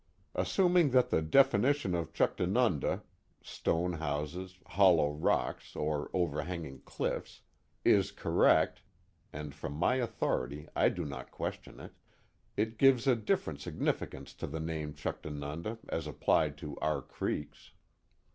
Assuming that the definition of Juchtanunda (stone houses, hollow rocks, or overhanging cliffs) is correct (and from my authority I do not question it), it gives a different significance to the name Chuctanunda as applied to our creeks.